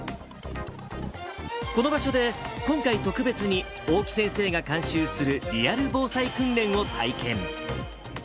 この場所で、今回特別に大木先生が監修するリアル防災訓練を体験。